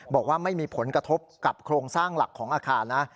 บอกว่าไม่มีผลกระทบกับโครงสร้างหลักของอาคารนะ